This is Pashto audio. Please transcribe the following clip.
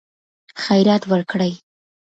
خیرات ورکړي.